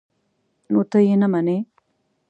_نو ته يې نه منې؟